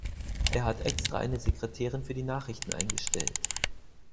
Er hat extra eine Sekretärin für die Nachrichten eingestellt.